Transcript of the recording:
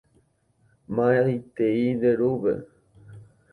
Maitei nde rúpe.